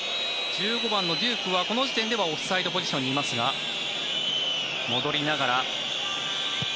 １５番のデュークはこの時点ではオフサイドポジションにいますが戻りながら。